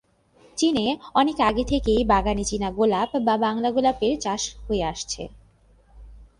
চীনে অনেক আগে থেকেই বাগানে চীনা গোলাপ বা বাংলা গোলাপের চাষ হয়ে আসছে।